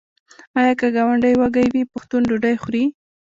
آیا که ګاونډی وږی وي پښتون ډوډۍ خوري؟